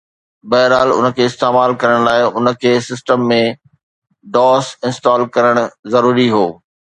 بهرحال، ان کي استعمال ڪرڻ لاء، ان کي سسٽم ۾ DOS انسٽال ڪرڻ ضروري هو